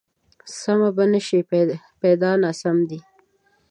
سمې به نه شي، پیدا ناسمې دي